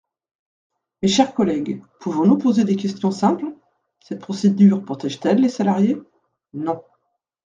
Mes chers collègues, pouvons-nous poser des questions simples ? Cette procédure protège-t-elle les salariés ? Non.